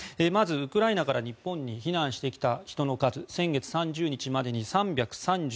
まずウクライナから日本に避難してきた人の数先月３０日までに３３７人。